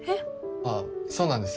ああそうなんです